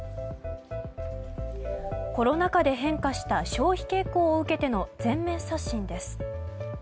コロナ禍で変化した消費傾向を受けての全面刷新です。